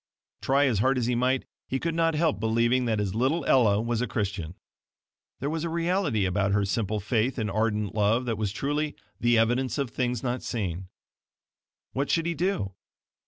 Try as hard as he might he could not help believing that his little Ella was a Christian. There was a reality about her simple faith and ardent love that was truly "the evidence of things not seen." What should he do?